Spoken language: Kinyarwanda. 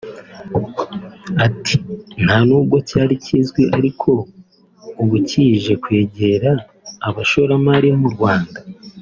Ati″ Nta nubwo cyari kizwi ariko ubu kije kwegera abashoramari mu Rwanda